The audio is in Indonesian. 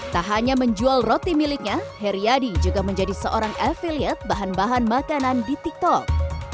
tak hanya menjual roti miliknya heriadi juga menjadi seorang afiliat bahan bahan makanan di tiktok